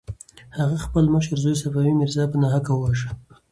هغه خپل مشر زوی صفي میرزا په ناحقه وواژه.